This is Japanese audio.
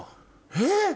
えっ？